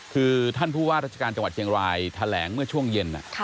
คือท่านผู้ว่าราชการจังหวัดเชียงรายแถลงเมื่อช่วงเย็น